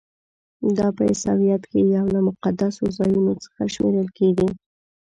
دا په عیسویت کې یو له مقدسو ځایونو څخه شمیرل کیږي.